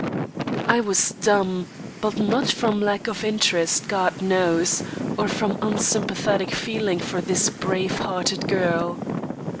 I was dumb, but not from lack of interest, God knows, or from unsympathetic feeling for this brave hearted girl.